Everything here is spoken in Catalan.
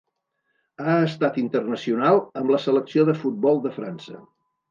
Ha estat internacional amb la selecció de futbol de França.